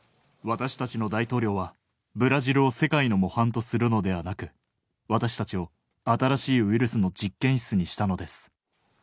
私たちの大統領は、ブラジルを世界の模範とするのではなく、私たちを新しいウイルスの実験室にしたのです。